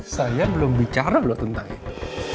saya belum bicara loh tentang itu